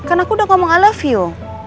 kan aku udah ngomong i love you